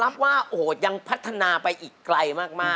สุดยอดมากครับน้องฟู